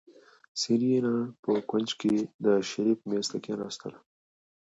سېرېنا په کونج کې د شريف مېز ته کېناستله.